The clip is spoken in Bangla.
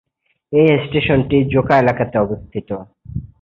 এই স্টেশনটি জোকা এলাকাতে অবস্থিত।